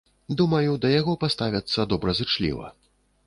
Думаю, да яго паставяцца добразычліва.